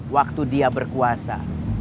waktu dia berkuasa